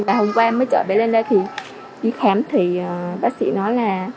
ngày hôm qua em mới chở bé lên đây thì đi khám thì bác sĩ nói là